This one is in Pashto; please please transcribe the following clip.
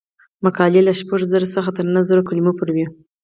مقالې له شپږ زره څخه تر نهه زره کلمو پورې وي.